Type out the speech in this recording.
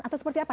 atau seperti apa